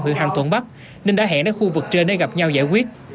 huyện hàm thuận bắc nên đã hẹn đến khu vực trên để gặp nhau giải quyết